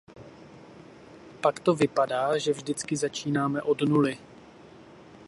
Pak to vypadá, že vždycky začínáme od nuly.